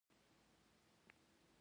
لعل د افغانستان په طبیعت کې مهم رول لري.